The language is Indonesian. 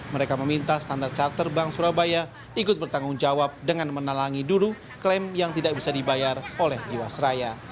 mereka meminta standar charter bank surabaya ikut bertanggung jawab dengan menalangi dulu klaim yang tidak bisa dibayar oleh jiwasraya